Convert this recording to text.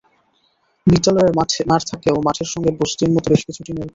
বিদ্যালয়ের মাঠ থাকলেও মাঠের সঙ্গে বস্তির মতো বেশ কিছু টিনের ঘর।